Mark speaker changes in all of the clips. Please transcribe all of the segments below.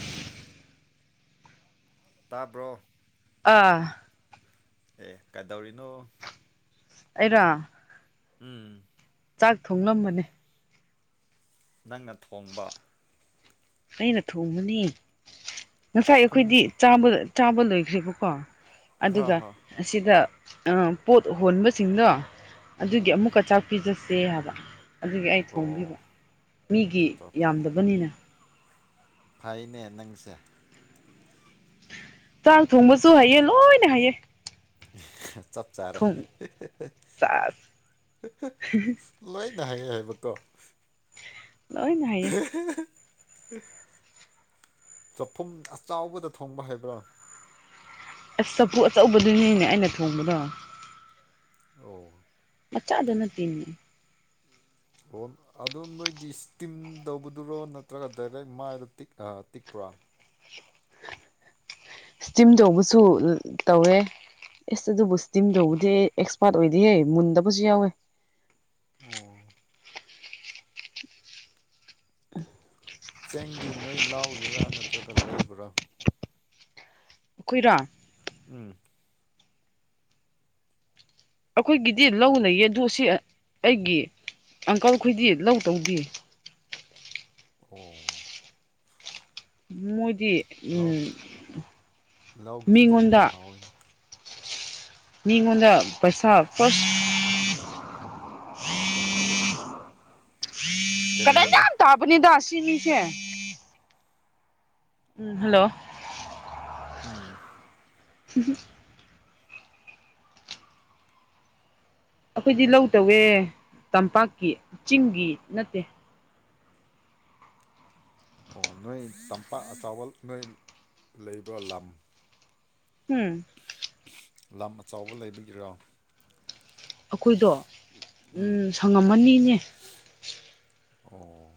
Speaker 1: ꯎꯝ ꯇꯥꯕ꯭ꯔꯣ
Speaker 2: ꯑꯥ
Speaker 1: ꯑꯦ ꯀꯩꯗꯧꯔꯤꯅꯣ
Speaker 2: ꯑꯩꯔ
Speaker 1: ꯎꯝ
Speaker 2: ꯆꯥꯛ ꯊꯣꯡꯡꯂꯕꯅꯦ
Speaker 1: ꯅꯪꯅ ꯊꯣꯡꯕ
Speaker 2: ꯑꯩꯅ ꯊꯣꯡꯕꯅꯤ ꯉꯁꯥꯏ
Speaker 1: ꯆꯥꯛꯈꯨꯝ
Speaker 2: ꯑꯩꯈꯣꯏꯗꯤ ꯆꯥꯕ ꯂꯣꯏꯈ꯭ꯔꯦꯕꯀꯣ
Speaker 1: ꯍ
Speaker 2: ꯑꯗꯨꯒ
Speaker 1: ꯍꯣꯏ
Speaker 2: ꯑꯁꯤꯗ ꯄꯣꯠ ꯍꯣꯟꯕꯁꯤꯡꯗꯣ
Speaker 1: ꯎꯝ
Speaker 2: ꯑꯗꯨꯒꯤ ꯑꯃꯨꯛꯀ ꯆꯥꯛ ꯄꯤ ꯆꯠꯁꯦ ꯍꯥꯏꯕ ꯑꯗꯨꯒꯤ ꯑꯩ
Speaker 1: ꯑꯣ
Speaker 2: ꯊꯣꯡꯕꯤꯕ ꯃꯤꯒꯤ
Speaker 1: ꯑꯣ
Speaker 2: ꯌꯥꯝꯗꯕꯅꯤꯅ
Speaker 1: ꯐꯩꯅꯦ ꯅꯪꯁꯦ
Speaker 2: ꯇꯣ ꯑ ꯊꯣꯡꯕꯁꯨ ꯍꯩ ꯂꯣꯏꯅ ꯍꯩ
Speaker 1: ꯆꯞ ꯆꯥꯔꯦ
Speaker 2: ꯆꯥꯁ
Speaker 1: ꯂꯣꯏꯅ ꯍꯥꯏꯌꯦ ꯍꯥꯏꯕꯀꯣ
Speaker 2: ꯂꯣꯏꯅ ꯍꯩꯌꯦ
Speaker 1: [unintelligible] ꯆꯥꯛꯐꯨꯝ ꯑꯆꯥꯎꯕꯗ ꯊꯣꯡꯕ ꯍꯥꯏꯕ꯭ꯔꯥ
Speaker 2: ꯑꯁ ꯆꯐꯨ ꯑꯆꯧꯕꯗꯨꯅꯦꯅꯦ ꯑꯩꯅ ꯊꯣꯡꯕꯗꯣ
Speaker 1: ꯑ
Speaker 2: ꯃꯆꯥꯗꯨꯅ ꯇꯤꯉ
Speaker 1: ꯑꯣꯣꯟ ꯑꯣ ꯅꯣꯏꯗꯤ ꯏꯁ꯭ꯇꯤꯝ ꯇꯧꯕꯗꯨꯔꯣ ꯅꯠꯇ꯭ꯔꯒ ꯗꯥꯏꯔꯦꯛ ꯃꯥꯏꯗ ꯇꯤꯛꯄ꯭ꯔꯥ
Speaker 2: ꯏꯁꯇꯤꯝ ꯇꯧꯕꯁꯨ ꯇꯧꯋꯦ ꯑꯦꯁ ꯑꯗꯨꯕꯨ ꯏꯁꯇꯤꯝ ꯇꯕꯨꯗꯤ ꯑꯦꯛꯁꯄꯥꯔꯠ ꯑꯣꯏꯗꯤꯦꯍꯦ ꯃꯨꯟꯗꯕꯁꯨ ꯌꯥꯎꯋꯦ
Speaker 1: ꯑꯣ ꯆꯦꯡꯗꯤ ꯅꯣꯏ ꯂꯥꯎꯒꯔꯥ ꯅꯠꯇ꯭ꯔꯒ ꯂꯩꯕ꯭ꯔꯥ
Speaker 2: ꯀꯨꯏꯔꯥ
Speaker 1: ꯎꯝ
Speaker 2: ꯑꯩꯈꯣꯏꯒꯤꯗꯤ ꯂꯧ ꯂꯩꯩꯌꯦ ꯑ ꯑꯗꯨꯗꯣ ꯁꯤ ꯑꯩꯒꯤ ꯑꯪꯀꯜꯈꯣꯏꯗꯤ ꯂꯧ ꯇꯧꯗ
Speaker 1: ꯑꯣ
Speaker 2: ꯃꯣꯏꯗꯤ
Speaker 1: ꯂꯧ ꯂꯧꯒꯤ ꯆꯦꯡꯗꯤ
Speaker 2: ꯃꯤꯉꯣꯟꯗ
Speaker 1: ꯍꯥꯎꯋꯤꯅꯦ
Speaker 2: ꯅꯉꯣꯟꯗ ꯄꯩꯁꯥ ꯐꯁ
Speaker 1: ꯀꯔꯤ
Speaker 2: ꯀꯗꯥꯏ
Speaker 1: ꯍꯥꯏꯕ
Speaker 2: ꯌꯥꯝ ꯇꯥꯕꯅꯤꯗ ꯁꯤꯅꯤꯁꯦ ꯎꯝ ꯍꯜꯂꯣ
Speaker 1: ꯎꯝ
Speaker 2: ꯎꯝ ꯑꯩꯈꯣꯏꯗꯤ ꯂꯧ ꯇꯧꯋꯦ ꯇꯝꯄꯥꯛꯀꯤ ꯆꯤꯡꯒꯤ ꯅꯠꯇꯦ
Speaker 1: ꯑꯣ ꯅꯣꯏ ꯇꯝꯄꯥꯛ ꯑꯆꯥꯕꯜ ꯅꯣꯏ ꯂꯩꯕ꯭ꯔ ꯂꯝ
Speaker 2: ꯎꯝ
Speaker 1: ꯂꯝ ꯑꯆꯕ ꯂꯩꯕꯒꯤꯔꯣ
Speaker 2: ꯑꯩꯈꯣꯏꯗꯣ
Speaker 1: ꯎꯝ
Speaker 2: ꯁꯪꯉꯝꯃꯅꯤꯅꯦ
Speaker 1: ꯑꯣ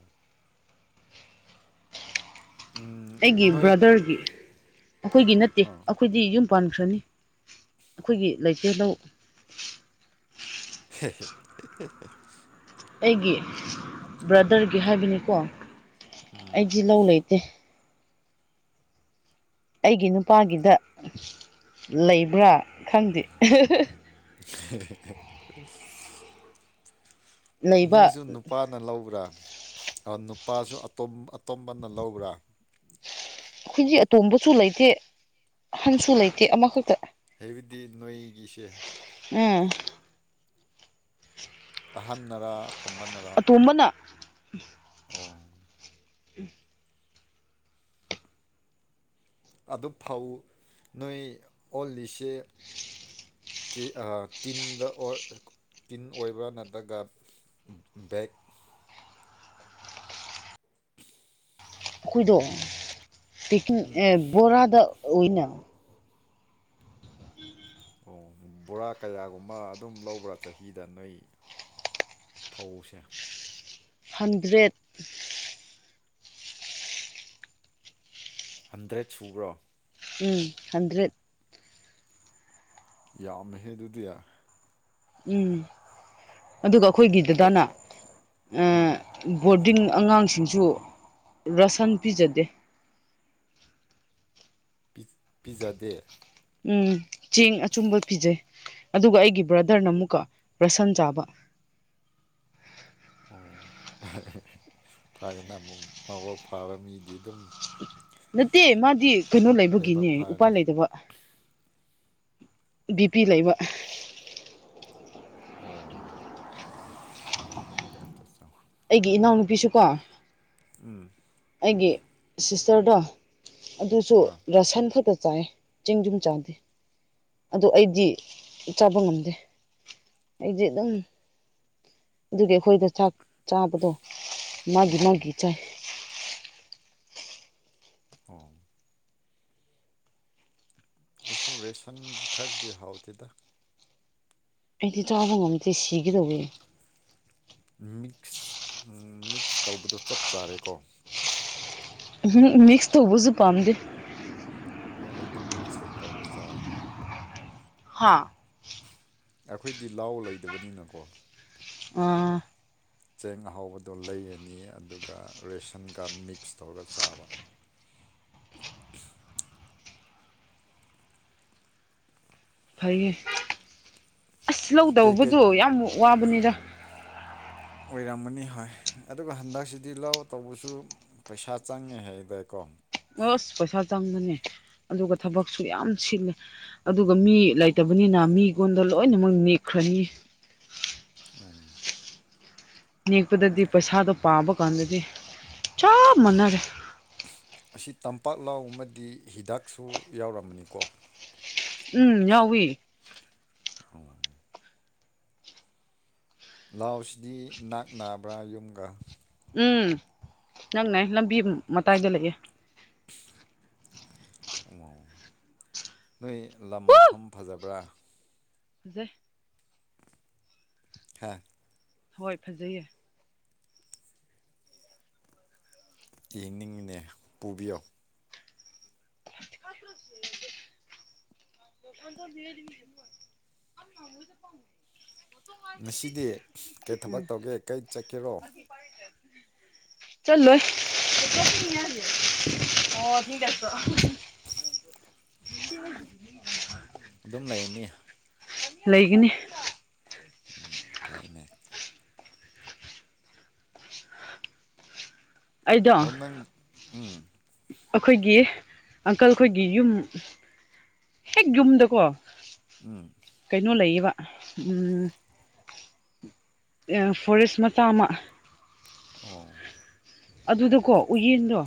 Speaker 1: ꯎꯝ
Speaker 2: ꯑꯩꯒꯤ
Speaker 1: ꯅꯣꯏ
Speaker 2: ꯕ꯭ꯔꯗꯔꯒꯤ ꯑꯩꯈꯣꯏꯒꯤ ꯅꯠꯇꯦ
Speaker 1: ꯑꯥ
Speaker 2: ꯑꯩꯈꯣꯏꯗꯤ ꯌꯨꯝ ꯄꯥꯟꯈ꯭ꯔꯅꯤ ꯑꯩꯈꯣꯏꯒꯤ ꯂꯩꯇꯦꯜꯗꯧ
Speaker 1: [inaudible]
Speaker 2: ꯑꯩꯒꯤ ꯕ꯭ꯔꯗꯔꯒꯤ ꯍꯥꯏꯕꯅꯤꯀꯣ ꯑꯩꯗꯤ ꯂꯧ ꯂꯩꯇꯦ ꯑꯩꯒꯤ ꯅꯨꯄꯥꯒꯤꯗ ꯂꯩꯕ꯭ꯔꯥ ꯈꯪꯗꯦ
Speaker 1: [inaudible]
Speaker 2: ꯂꯩꯕ
Speaker 1: ꯅꯣꯏꯁꯨ ꯅꯨꯄꯥꯅ ꯂꯧꯕ꯭ꯔꯥ ꯅꯨꯄꯥꯁꯨ ꯑꯇꯣꯝꯕꯅ ꯂꯧꯕ꯭ꯔꯥ
Speaker 2: ꯑꯩꯈꯣꯏꯖꯤꯛ ꯑꯇꯣꯝꯕꯁꯨ ꯂꯩꯇꯦ ꯑꯍꯟꯁꯨ ꯂꯩꯇꯦ ꯑꯃꯈꯛꯇ
Speaker 1: ꯍꯥꯏꯕꯗꯤ ꯅꯣꯏꯒꯤꯁꯦ
Speaker 2: ꯎꯝ
Speaker 1: ꯑꯍꯟꯅꯔꯥ ꯇꯃꯟꯅꯔꯥ
Speaker 2: ꯀꯅ
Speaker 1: ꯑꯣ
Speaker 2: ꯎꯝ
Speaker 1: ꯑꯗꯨ ꯐꯧ ꯅꯣꯏ ꯑꯣꯜꯂꯤꯁꯦ ꯇꯤꯟꯗ ꯇꯤꯟ ꯑꯣꯏꯕ꯭ꯔꯥ ꯅꯠꯇ꯭ꯔꯒ ꯕꯦꯛ
Speaker 2: ꯑꯩꯈꯣꯏꯗ
Speaker 1: ꯎꯝ
Speaker 2: ꯇ ꯕꯣꯔꯥꯗ ꯑꯣꯏꯅ ꯑꯣꯏꯅ
Speaker 1: ꯑꯣ ꯕꯣꯔꯥ ꯀꯌꯥꯒꯨꯝꯕ ꯑꯗꯨꯝ ꯂꯧꯕ꯭ꯔꯥ ꯆꯍꯤꯗ ꯅꯣꯏ ꯐꯧꯁꯦ
Speaker 2: ꯍꯟꯗ꯭ꯔꯦꯠ
Speaker 1: ꯍꯟꯗ꯭ꯔꯦꯠ ꯁꯨꯕ꯭ꯔꯣ
Speaker 2: ꯎꯝ ꯍꯟꯗ꯭ꯔꯦꯠ
Speaker 1: ꯌꯥꯝꯃꯦꯍꯦ ꯑꯗꯨꯗꯤ
Speaker 2: ꯎꯝ ꯑꯗꯨꯒ
Speaker 1: ꯆ
Speaker 2: ꯑꯩꯈꯣꯏꯒꯤꯗꯨꯗꯅ
Speaker 1: ꯎꯝ
Speaker 2: ꯕꯣꯔꯗꯤꯡ ꯑꯉꯥꯡꯁꯤꯡꯁꯨ ꯔꯁꯟ ꯄꯤꯖꯗꯦ
Speaker 1: ꯄꯤꯖꯥ ꯗꯦ
Speaker 2: ꯎꯝ ꯆꯦꯡ ꯑꯆꯨꯝꯕ ꯄꯤꯖꯩ ꯑꯗꯨꯒ ꯑꯩꯒꯤ ꯕ꯭ꯔꯗꯔꯅ ꯑꯃꯨꯛꯀ ꯔꯁꯟ ꯆꯥꯕ
Speaker 1: ꯑꯣ ꯐꯅ ꯑꯃꯨꯛ ꯃꯥꯎ ꯐꯥꯕ ꯃꯤꯗꯤ ꯑꯗꯨꯝ
Speaker 2: ꯅꯠꯇꯦ ꯃꯥꯗꯤ ꯀꯩꯅꯣ
Speaker 1: ꯂꯥꯏꯕꯛ
Speaker 2: ꯂꯩꯕꯒꯤꯅꯦ ꯎꯄꯥꯏ
Speaker 1: ꯐꯔꯅꯤ
Speaker 2: ꯂꯩꯇꯕ ꯕꯤ ꯄꯤ ꯂꯩꯕ
Speaker 1: ꯑꯣ ꯑꯆꯥ ꯑꯠꯆꯥ
Speaker 2: ꯑꯩꯒꯤ ꯏꯅꯥꯎꯅꯨꯄꯤꯁꯨꯀꯣ
Speaker 1: ꯎꯝ
Speaker 2: ꯑꯩꯒꯤ ꯁꯤꯁꯇꯔꯗꯣ ꯑꯗꯨꯁꯨ
Speaker 1: ꯍꯣꯏ
Speaker 2: ꯔꯁꯟ ꯐꯛꯇ ꯆꯥꯏ ꯆꯦꯡ ꯌꯨꯝ ꯆꯥꯗꯦ ꯑꯗꯣ ꯑꯩꯗꯤ ꯆꯥꯕ ꯉꯝꯗꯦ ꯑꯩꯗꯤ ꯑꯗꯨꯝ ꯑꯗꯨꯒꯤ ꯑꯩꯈꯣꯏꯗ ꯆꯥꯛ ꯆꯥꯕꯗꯣ ꯃꯥꯒꯤ
Speaker 1: ꯎꯝ ꯎꯝ
Speaker 2: ꯃꯥꯒꯤ ꯆꯥꯏ
Speaker 1: ꯑꯣ ꯑꯩꯁꯨ ꯔꯦꯁꯟꯒꯤ ꯈꯛꯇꯤ ꯍꯥꯎꯗꯦꯗ꯫
Speaker 2: ꯑꯩꯗꯤ ꯆꯥꯕ ꯉꯝꯗꯦ ꯁꯤꯒꯦꯇꯧꯋꯦ꯫
Speaker 1: ꯃꯤꯛꯁ ꯃꯤꯛꯁ ꯇꯧꯕꯗꯣ ꯆꯞ ꯆꯥꯔꯦꯀꯣ꯫
Speaker 2: ꯎꯍꯨꯝ ꯃꯤꯛꯁ ꯇꯧꯕꯁꯨ ꯄꯥꯝꯗꯦ꯫
Speaker 1: ꯑꯦ ꯑꯩꯗꯤ ꯃꯤꯛꯁ ꯇꯧꯔ ꯆꯥꯏ꯫
Speaker 2: ꯍꯥꯥ꯫
Speaker 1: ꯑꯩꯈꯣꯏꯗꯤ ꯂꯥꯎ ꯂꯩꯗꯕꯅꯤꯅꯀꯣ꯫
Speaker 2: ꯑꯥ꯫
Speaker 1: ꯆꯦꯡ ꯑꯍꯥꯎꯕꯗꯣ ꯂꯩꯔꯅꯤ ꯑꯗꯨꯒ ꯔꯦꯁꯟꯒ ꯃꯤꯛꯁ ꯇꯧꯔꯒ ꯆꯥꯕ꯫
Speaker 2: ꯐꯩꯌꯦ ꯑꯁ
Speaker 1: ꯀꯩꯀꯩ
Speaker 2: ꯂꯧꯇꯧꯕꯗꯣ ꯌꯥꯝ ꯋꯥꯕꯅꯤꯗ꯫
Speaker 1: ꯑꯣꯏꯔꯝꯃꯅꯤ ꯍꯣꯏ ꯑꯗꯨꯒ ꯍꯟꯗꯛꯁꯤꯗꯤ ꯂꯧ ꯇꯧꯕꯁꯨ꯫ ꯄꯩꯁꯥ ꯆꯪꯉꯦ ꯍꯥꯌꯦꯗꯀꯣ
Speaker 2: ꯑꯁ ꯄꯩꯁꯥ ꯆꯪꯕꯅꯦ ꯑꯗꯨꯒ ꯊꯕꯛꯁꯨ ꯌꯥꯝ ꯁꯤꯜꯂꯦ꯫ ꯑꯗꯨꯒ ꯃꯤ ꯂꯩꯇꯕꯅꯤꯅ ꯃꯤꯉꯣꯟꯗ ꯂꯣꯏꯅꯃꯛ ꯅꯦꯛꯈ꯭ꯔꯅꯤ꯫
Speaker 1: ꯎꯝ
Speaker 2: ꯅꯦꯛꯄꯗꯗꯤ ꯄꯩꯁꯥꯗꯣ ꯄꯥꯕ ꯀꯥꯟꯗꯗꯤ ꯆꯞ ꯃꯥꯟꯅꯔꯦ꯫
Speaker 1: ꯑꯁꯤ ꯇꯝꯄꯥꯛ ꯂꯥꯎ ꯑꯃꯗꯤ ꯍꯤꯗꯥꯛꯁꯨ ꯌꯥꯎꯔꯝꯕꯅꯤꯀꯣ꯫
Speaker 2: ꯎꯝ ꯌꯥꯎꯋꯤ꯫
Speaker 1: ꯑꯣ꯫ ꯂꯥꯎꯁꯤꯗꯤ ꯅꯥꯛ ꯅꯥꯕ꯭ꯔꯥ ꯌꯨꯝꯒ꯫
Speaker 2: ꯎꯝ ꯅꯥꯛꯅꯩꯏ ꯂꯝꯕꯤ ꯃꯇꯥꯏꯗ ꯂꯩꯑꯦ꯫
Speaker 1: ꯎꯝ ꯅꯣꯏ ꯂꯝ
Speaker 2: ꯎ
Speaker 1: ꯃꯐꯝ ꯐꯖꯕ꯭ꯔꯥ꯫
Speaker 2: ꯐꯖꯩ꯫
Speaker 1: ꯍꯥ꯫
Speaker 2: ꯍꯣꯏ ꯐꯖꯩꯌꯦ꯫
Speaker 1: ꯌꯦꯡꯅꯤꯡꯉꯤꯅꯦ ꯄꯨꯕꯤꯌꯣ꯫
Speaker 2: [inaudible]
Speaker 1: ꯉꯁꯤꯗꯤ ꯀꯩ ꯊꯕꯛ ꯇꯧꯒꯦ ꯀꯩ ꯆꯠꯀꯦꯔꯣ꯫
Speaker 2: ꯄꯥꯏꯗꯦ꯫ ꯆꯥꯠꯂꯣꯏ ꯑꯣ ꯏꯁꯤꯡ ꯆꯥꯠꯄꯔꯣ [inaudible]
Speaker 1: ꯑꯗꯨꯝ ꯂꯩꯅꯤ꯫
Speaker 2: ꯂꯩꯒꯅꯤ꯫
Speaker 1: ꯎꯝ ꯐꯥꯏꯅꯦ꯫
Speaker 2: ꯑꯩꯗꯣ
Speaker 1: ꯑꯗꯨ ꯅꯪ ꯎꯝ꯫
Speaker 2: ꯑꯩꯈꯣꯏꯒꯤ ꯑꯪꯀꯜ ꯑꯩꯈꯣꯏꯒꯤ ꯌꯨꯝ꯫ ꯍꯦꯛ ꯌꯨꯝꯗꯀꯣ꯫
Speaker 1: ꯎꯝ꯫
Speaker 2: ꯀꯩꯅꯣ ꯂꯩꯌꯦꯕ ꯎꯝ꯫ ꯐꯣꯔꯦꯁ ꯃꯆꯥ ꯑꯃꯥ
Speaker 1: ꯑꯣ
Speaker 2: ꯑꯗꯨꯗꯀꯣ ꯎꯌꯦꯟꯗꯣ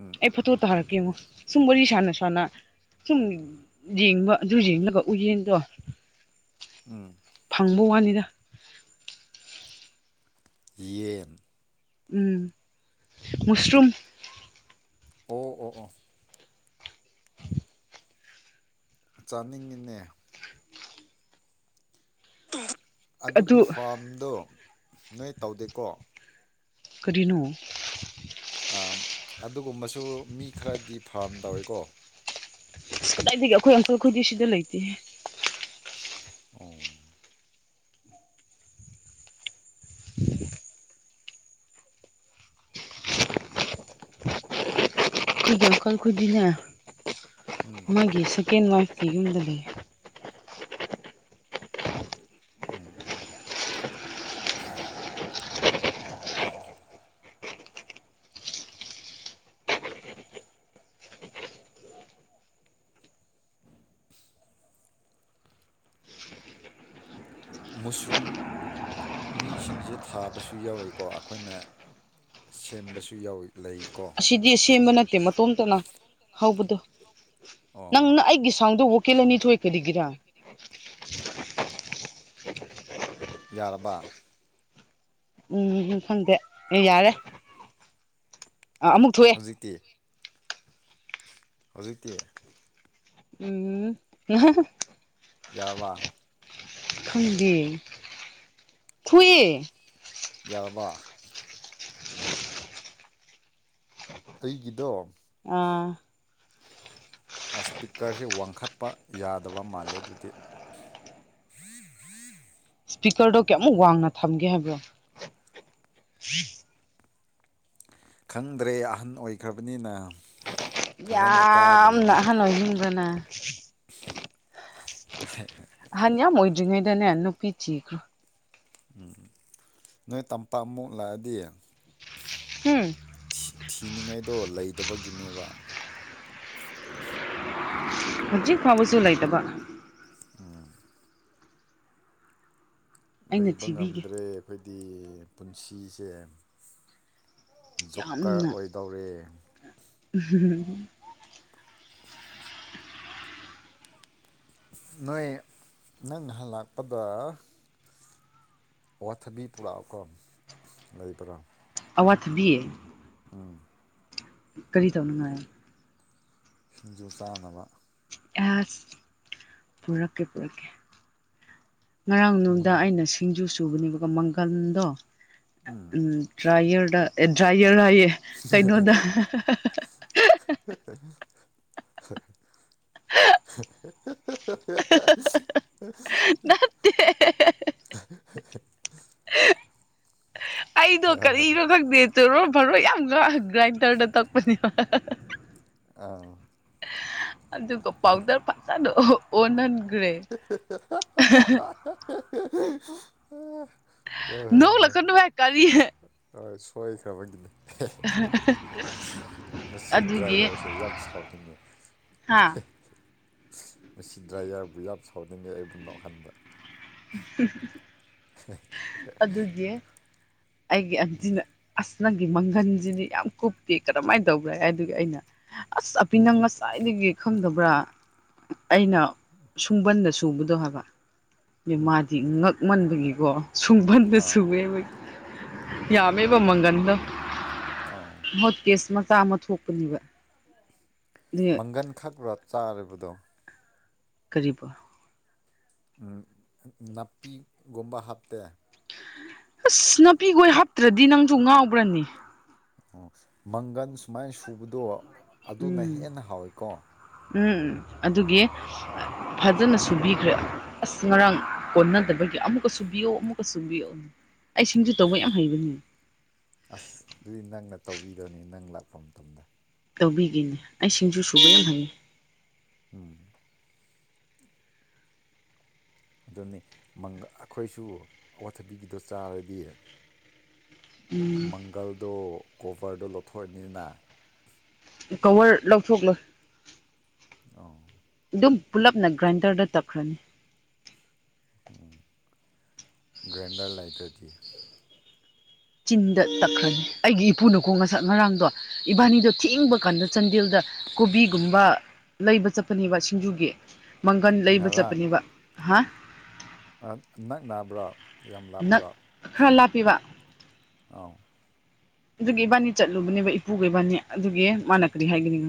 Speaker 1: ꯎꯝ
Speaker 2: ꯐꯠꯇꯣ ꯇꯥꯔꯛꯀꯦ ꯌꯦꯉꯣ ꯁꯨꯝ ꯋꯥꯔꯤ ꯁꯥꯅ ꯁꯥꯅ ꯁꯨꯝ ꯌꯦꯡꯕ ꯑꯗꯨ ꯌꯦꯡꯂꯒ ꯎꯌꯦꯟꯗꯣ
Speaker 1: ꯎꯝ
Speaker 2: ꯐꯪꯕ ꯋꯥꯅꯤꯗ
Speaker 1: ꯌꯦꯟ
Speaker 2: ꯎꯝ ꯃꯨꯁꯔꯨꯝ
Speaker 1: ꯑꯣ ꯑꯣ ꯑꯣ ꯆꯥꯅꯤꯡꯉꯤꯅꯦ
Speaker 2: ꯑꯗꯨ
Speaker 1: ꯑꯗꯨꯒꯤ ꯐꯥꯔꯝꯗꯣ ꯅꯣꯏ ꯇꯧꯗꯦꯀꯣ
Speaker 2: ꯀꯔꯤꯅꯣ
Speaker 1: ꯑꯗꯨꯒꯨꯝꯕꯁꯨ ꯃꯤ ꯈꯔꯗꯤ ꯐꯥꯔꯝ ꯇꯧꯋꯦꯀꯣ
Speaker 2: ꯑꯗꯒꯤ ꯑꯩꯈꯣꯏ ꯑꯪꯀꯜꯈꯗꯤ ꯁꯤꯗ ꯂꯩꯇꯦ
Speaker 1: ꯑꯣ
Speaker 2: ꯗꯀꯜ ꯈꯗꯤꯅ
Speaker 1: ꯎꯝ
Speaker 2: ꯃꯥ ꯁꯦꯀꯦꯟ ꯋꯥꯏꯐꯀꯤ ꯌꯨꯝꯗꯗꯤ
Speaker 1: ꯑꯥ ꯎꯝ ꯃꯨꯁꯔꯨꯝ ꯃꯤꯁꯤꯡꯖꯦ ꯊꯥꯕꯁꯨ ꯌꯥꯎꯋꯤꯀꯣ ꯑꯈꯣꯏꯅ ꯁꯦꯝꯕꯁꯨ ꯌꯥꯎꯏ ꯂꯩꯀꯣ
Speaker 2: ꯑꯁꯤꯗꯤ ꯁꯦꯝꯕ
Speaker 1: ꯁꯤꯗꯤ
Speaker 2: ꯅꯠꯇꯦ
Speaker 1: ꯁꯦꯝꯕꯥ
Speaker 2: ꯃꯇꯣꯝꯇꯅ
Speaker 1: ꯅꯠꯇꯦ ꯃꯇꯣꯝꯇ ꯂꯥꯛꯄꯥꯅꯤ
Speaker 2: ꯍꯧꯕꯗꯣ
Speaker 1: ꯍꯧꯕ
Speaker 2: ꯅꯪꯅ ꯑꯩꯒꯤ ꯁꯥꯎꯟꯗꯣ ꯋꯣꯀꯦꯜ ꯑꯅꯤ ꯊꯣꯛꯏ ꯀꯔꯤꯒꯤꯔꯥ
Speaker 1: ꯒꯤꯔꯥ ꯌꯥꯔꯕ
Speaker 2: ꯎꯝ ꯎꯝ ꯈꯪꯗꯦ ꯑꯦ ꯌꯥꯔꯦ ꯑ ꯑꯃꯨꯛ ꯊꯣꯛꯑꯦ
Speaker 1: ꯍꯧꯖꯤꯛꯇꯤ ꯍꯧꯖꯤꯛꯇꯤ
Speaker 2: ꯎꯝ
Speaker 1: ꯌꯥꯋꯥ
Speaker 2: ꯈꯪꯗꯦ ꯊꯨꯏꯌꯦ
Speaker 1: ꯌꯥꯔꯕ ꯑꯩꯒꯤꯗꯣ
Speaker 2: ꯑꯥ
Speaker 1: ꯑꯥ ꯏꯁꯄꯤꯀꯔꯖꯦ ꯋꯥꯡꯈꯠꯄ ꯌꯥꯗꯕ ꯃꯥꯜꯂꯦ ꯑꯗꯨꯗꯤ
Speaker 2: ꯏꯁꯄꯤꯀꯔꯗꯣ ꯀꯌꯥꯃꯨꯛ ꯋꯥꯡꯅ ꯊꯝꯒꯦ ꯍꯥꯏꯕ꯭ꯔꯣ
Speaker 1: ꯈꯪꯗ꯭ꯔꯦ ꯑꯍꯟ ꯑꯣꯏꯈ꯭ꯔꯕꯅꯤꯅ ꯐꯖꯅ
Speaker 2: ꯌꯥꯝꯅ
Speaker 1: ꯇꯥꯗ꯭ꯔꯦꯅꯦ
Speaker 2: ꯑꯍꯟ ꯑꯣꯏꯅꯤꯡꯕꯔ꯭ ꯅꯪ
Speaker 1: [unintelligible]
Speaker 2: ꯑꯍꯟ ꯌꯥꯝ ꯑꯣꯏꯗ꯭ꯔꯤꯉꯩꯗꯅꯦ ꯅꯨꯄꯤ ꯊꯤꯈꯔꯣ
Speaker 1: ꯎꯝ ꯅꯣꯏ ꯇꯝꯄꯥꯛꯃꯨꯛ ꯂꯥꯛꯑꯗꯤ
Speaker 2: ꯍꯨꯝ
Speaker 1: ꯊꯤ ꯊꯤꯅꯤꯡꯉꯥꯏꯗꯣ ꯂꯩꯇꯕꯒꯤꯅꯦꯕ
Speaker 2: ꯍꯧꯖꯤꯛ ꯐꯥꯎꯕꯁꯨ ꯂꯩꯇꯕ
Speaker 1: ꯎꯝ
Speaker 2: ꯑꯩꯅ
Speaker 1: ꯂꯩꯕ
Speaker 2: ꯊꯤꯕꯤꯒꯦ
Speaker 1: ꯉꯝꯗ꯭ꯔꯦ ꯑꯈꯣꯏꯗꯤ ꯄꯨꯟꯁꯤꯁꯦ ꯖꯣꯛꯀꯔ
Speaker 2: ꯌꯥꯝꯅ
Speaker 1: ꯑꯣꯏꯗꯧꯔꯦ
Speaker 2: [unintelligible]
Speaker 1: ꯅꯣꯏ ꯅꯪ ꯅꯍꯥꯜ ꯂꯥꯛꯄꯗ ꯑꯋꯥꯊꯕꯤ ꯄꯨꯔꯛꯑꯣꯀꯣ ꯂꯩꯕ꯭ꯔꯥ
Speaker 2: ꯑꯋꯥꯊꯕꯤ
Speaker 1: ꯎꯝ
Speaker 2: ꯀꯔꯤ ꯇꯧꯅꯤꯉꯥꯏ
Speaker 1: ꯁꯤꯡꯖꯨ ꯆꯥꯅꯕ
Speaker 2: ꯑꯁ ꯄꯨꯔꯛꯀꯦ ꯄꯨꯔꯛꯀꯦ ꯉꯔꯥꯡ
Speaker 1: ꯃꯨꯟ
Speaker 2: ꯅꯨꯡꯗꯥꯡ ꯑꯩꯅ ꯁꯤꯡꯖꯨ ꯁꯨꯕꯅꯦꯕꯀꯣ ꯃꯪꯒꯟꯗꯣ
Speaker 1: ꯎꯝ
Speaker 2: ꯎꯝ ꯗ꯭ꯔꯥꯏꯌꯔꯗ ꯑꯦ ꯗ꯭ꯔꯥꯏꯌꯔ ꯍꯥꯏꯌꯦ ꯀꯩꯅꯣꯗ
Speaker 1: [unintelligible] [unintelligible]
Speaker 2: [unintelligible] ꯑꯩꯗꯣ
Speaker 1: ꯍꯥꯏꯌꯣ ꯍꯥꯏꯌꯣ
Speaker 2: ꯀꯔꯤꯔ ꯈꯪꯗꯦ ꯆꯣꯏꯔꯣꯟ ꯄꯥꯔꯣꯟ ꯌꯥꯝ ꯂꯣ ꯔꯥꯏꯟꯇꯔꯅ ꯇꯛꯄꯅꯤ
Speaker 1: ꯑꯥ
Speaker 2: ꯑꯗꯨꯒ ꯄꯥꯎꯗꯔ ꯐꯖꯅ ꯑꯣꯟꯍꯟ ꯒ꯭ꯔꯦ
Speaker 1: [unintelligible] ꯍꯣꯏ ꯍꯣꯏ ꯍꯣꯏ
Speaker 2: ꯅꯣꯛꯂꯛꯀꯅꯨꯍꯦ ꯀꯔꯤ
Speaker 1: ꯑꯥ ꯁꯣꯏꯈ꯭ꯔꯕꯒꯤ ꯃꯁꯤ ꯗ꯭ꯔꯥꯏꯌꯔꯁꯦ ꯌꯥꯝ ꯁꯥꯎꯅꯤꯡꯉꯦ
Speaker 2: ꯑꯥ
Speaker 1: ꯃꯁꯤ ꯗ꯭ꯔꯥꯏꯌꯥꯔꯕꯨ ꯌꯥꯝ ꯁꯥꯎꯅꯤꯡꯉꯦ ꯑꯩꯕꯨ ꯅꯣꯛꯍꯟꯕ
Speaker 2: ꯑꯗꯨꯗꯤ ꯑꯩꯒꯤ ꯑꯟꯇꯤꯅ ꯑꯁ ꯅꯪꯒꯤ ꯃꯪꯒꯟꯁꯤꯗꯤ ꯌꯥꯝ ꯀꯨꯞꯇꯦ ꯀꯔꯝꯍꯥꯏꯅ ꯇꯧꯕ꯭ꯔ ꯍꯥꯏ ꯍꯥꯏꯗꯨꯒꯤ ꯑꯩꯅ ꯑꯁ ꯑꯄꯤꯅꯪ ꯉꯁꯥꯏꯗꯒꯤ ꯈꯪꯗꯕ꯭ꯔꯥ ꯑꯩꯅ
Speaker 1: [inaudible]
Speaker 2: ꯁꯨꯡꯕꯟꯗ ꯁꯨꯕꯗꯣ ꯍꯥꯏꯕ ꯃꯥꯗꯤ ꯉꯛꯃꯟꯕꯒꯤꯀꯣ ꯁꯨꯡꯐꯝꯟꯗ
Speaker 1: ꯑꯥ
Speaker 2: ꯁꯨꯋꯦꯕꯣꯏ ꯌꯥꯃꯤꯕꯃꯪꯒꯅꯤꯗ
Speaker 1: ꯑꯥ
Speaker 2: ꯍꯣꯠ ꯀꯦꯁ ꯃꯆꯥ ꯑꯃ ꯊꯣꯛꯄꯅꯤꯕ
Speaker 1: ꯃꯪꯒꯟ ꯈꯛꯄꯥ ꯆꯥꯔꯕꯗꯣ
Speaker 2: ꯀꯔꯤꯕ
Speaker 1: ꯅꯥꯄꯤꯒꯨꯝꯕ ꯍꯥꯞꯇꯦ
Speaker 2: ꯑꯁ ꯅꯥꯄꯤꯈꯣꯏ ꯍꯥꯞꯇ꯭ꯔꯗꯤ ꯅꯪꯁꯨ ꯉꯥꯎꯕ꯭ꯔꯅꯤ
Speaker 1: ꯑꯣ ꯃꯪꯒꯟ ꯁꯨꯃꯥꯏꯅ ꯁꯨꯕꯗꯣ ꯑꯗꯨꯅ ꯍꯦꯟꯅ ꯍꯥꯎꯋꯦꯀꯣ
Speaker 2: ꯎꯝ ꯎꯝ ꯑꯗꯨꯒꯤ ꯐꯖꯅ ꯁꯨꯕꯤꯈ꯭ꯔꯦ ꯑꯁ ꯉꯔꯥꯡ ꯀꯣꯟꯅꯗꯕꯒꯤ ꯑꯃꯨꯛꯀ ꯁꯨꯕꯤꯌꯣ ꯑꯃꯨꯛꯀ ꯁꯨꯕꯤꯌꯣ ꯑꯩ ꯁꯤꯡꯖ ꯇꯧꯕꯩ ꯌꯥꯝ ꯍꯩꯕꯅꯤ
Speaker 1: ꯑꯁ ꯑꯗꯨꯗꯤ ꯅꯪꯅ ꯇꯧꯕꯤꯗꯕꯅꯤ ꯅꯪ ꯂꯥꯛꯄ ꯃꯇꯝꯗ
Speaker 2: ꯀꯎꯕꯤꯒꯦꯅ ꯑ ꯏꯁꯤꯡꯖꯨꯁꯨꯕ ꯌꯥꯝꯅ ꯍꯩ
Speaker 1: ꯎꯝ ꯑꯗꯨꯅꯤ ꯑꯩꯈꯣꯏꯁꯨ ꯑꯋꯥꯊꯕꯤꯒꯤꯗꯣ ꯆꯥꯔꯗꯤ
Speaker 2: ꯎꯝ
Speaker 1: ꯃꯪꯒꯜꯗꯨꯣ ꯀꯣꯕꯔꯗꯨꯣ ꯂꯧꯊꯣꯛꯑꯅꯤꯅ
Speaker 2: ꯀꯋꯔ ꯂꯧꯊꯣꯛꯂꯣꯏ
Speaker 1: ꯑ
Speaker 2: ꯑꯗꯨꯝ ꯄꯨꯜꯂꯞꯅ ꯒ꯭ꯔꯥꯏꯟꯗꯔꯗ ꯇꯛꯈ꯭ꯔꯅꯤ
Speaker 1: ꯎꯝ ꯒ꯭ꯔꯦꯟꯗꯔ ꯂꯩꯇ꯭ꯔꯗꯤ
Speaker 2: ꯆꯤꯟꯗ ꯇꯛꯈ꯭ꯔꯅꯤ ꯑꯩꯒꯤ ꯏꯄꯨꯅꯀꯣꯡ ꯉꯁꯛ ꯉꯔꯥꯡꯗꯣ ꯏꯕꯥꯅꯤꯗꯣ ꯊꯦꯡꯕ ꯀꯥꯟꯗ ꯆꯥꯟꯗꯦꯜꯗ ꯀꯣꯕꯤꯒꯨꯝꯕ ꯂꯩꯕ ꯆꯠꯄꯅꯦꯕ ꯁꯤꯡꯖꯨꯒꯤ ꯃꯪꯒꯟ ꯂꯩꯕ
Speaker 1: ꯉꯔꯥꯡ
Speaker 2: ꯆꯠꯄꯅꯦꯕ ꯍꯥ
Speaker 1: ꯅꯛ ꯅꯥꯕ꯭ꯔꯣ ꯌꯥꯝ
Speaker 2: ꯅꯛ
Speaker 1: ꯂꯥꯞꯄ꯭ꯔꯣ
Speaker 2: ꯈꯔ ꯂꯥꯛꯞꯄꯤꯕ
Speaker 1: ꯑꯥꯎ
Speaker 2: ꯑꯗꯨꯒꯤ ꯏꯕꯥꯅꯤ ꯆꯠꯂꯨꯕꯅꯦꯕ ꯏꯄꯨꯒ ꯏꯕꯥꯅꯤ ꯑꯗꯨꯒꯤ ꯃꯥꯅ ꯀꯔꯤ ꯍꯥꯏꯒꯅꯤ